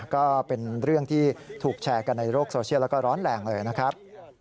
ก็เป็นเรื่องที่ถูกแชร์กันในโลกโซเชียลแล้วก็ร้อนแรงเลยนะครับ